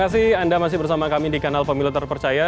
terima kasih anda masih bersama kami di kanal pemilu terpercaya